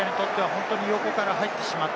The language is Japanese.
本当に横から入ってしまった。